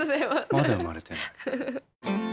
まだ生まれてない。